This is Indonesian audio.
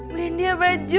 beli dia baju